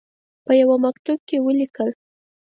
په یوه مکتوب کې ولیکل.